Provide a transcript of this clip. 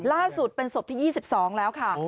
ล่าสุดเป็นศพที่๒๒แล้วค่ะ